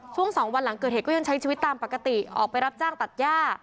สองวันหลังเกิดเหตุก็ยังใช้ชีวิตตามปกติออกไปรับจ้างตัดย่า